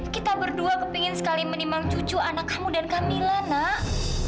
kita berdua kepingin sekali menimang cucu anak kamu dan camilla nak